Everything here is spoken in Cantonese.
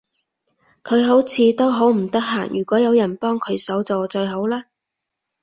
佢好似都好唔得閒，如果有人幫佢手就最好嘞